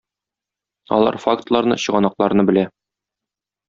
Алар фактларны, чыганакларны белә.